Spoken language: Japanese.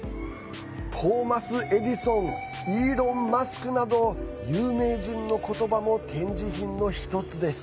トーマス・エジソンイーロン・マスクなど有名人の言葉も展示品の１つです。